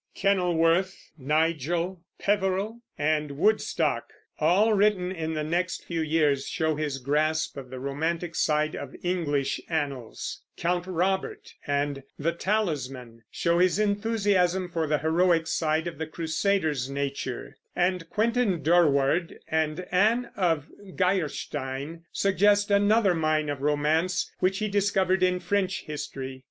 Kenilworth, Nigel, Peveril, and Woodstock, all written in the next few years, show his grasp of the romantic side of English annals; Count Robert and The Talisman show his enthusiasm for the heroic side of the Crusaders' nature; and Quentin Durward and Anne of Geierstein suggest another mine of romance which he discovered in French history.